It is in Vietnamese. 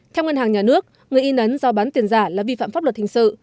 theo ngân hàng nhà nước người y nấn do bán tiền giả là vi phạm pháp luật hình sự